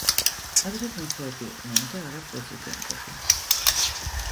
ადრე მეეფები იყვნენ და არა პრეზიდენტები